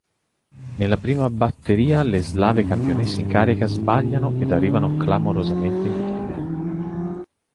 Nella prima batteria le slave campionesse in carica sbagliano ed arrivano clamorosamente ultime.